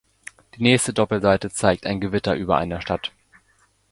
Die nächste Doppelseite zeigt ein Gewitter über einer Stadt.